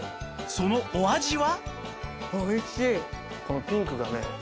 そのお味は？